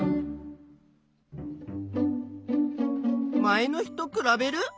前の日とくらべる？